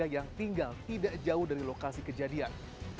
yang tinggal tidak jauh dari lokasi kejadian